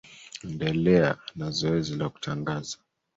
endelea na zoezi la kutangaza